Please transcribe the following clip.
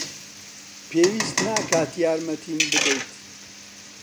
پێویست ناکات یارمەتیم بدەیت.